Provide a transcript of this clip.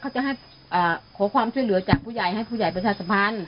เขาจะให้ขอความช่วยเหลือจากผู้ใหญ่ให้ผู้ใหญ่ประชาสัมพันธ์